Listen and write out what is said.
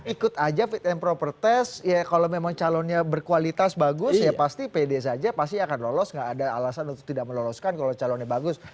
ikut aja fit and proper test ya kalau memang calonnya berkualitas bagus ya pasti pd saja pasti akan lolos nggak ada alasan untuk tidak meloloskan kalau calonnya bagus